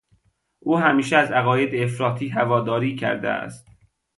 او همیشه از عقاید افراطی هواداری کرده است.